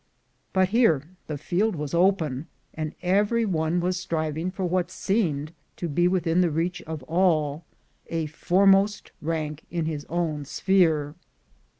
But here the field was open, and every one was striv ing for what seemed to be within the reach of all — a foremost rank in his own sphere.